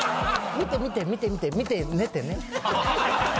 見て見て見て見て見て寝てね。